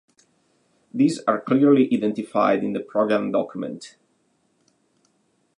These are clearly identified in the programme document.